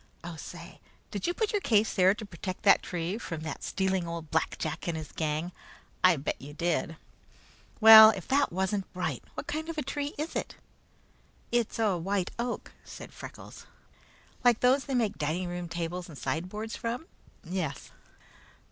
Oh, say, did you put your case there to protect that tree from that stealing old Black Jack and his gang? I bet you did! Well, if that wasn't bright! What kind of a tree is it?" "It's a white oak," said Freckles. "Like those they make dining tables and sideboards from?" "Yes."